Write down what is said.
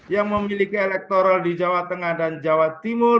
yang memiliki elektoral di jawa tengah dan jawa timur